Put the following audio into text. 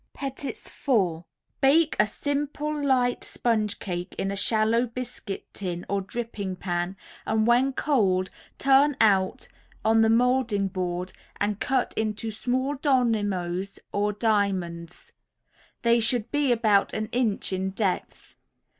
PETITS FOUR Bake a simple, light sponge cake in a shallow biscuit tin or dripping pan, and when cold turn out on the moulding board and cut into small dominoes or diamonds. They should be about an inch in depth.